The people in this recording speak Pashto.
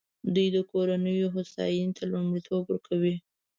دوی د کورنیو هوساینې ته لومړیتوب ورکوي.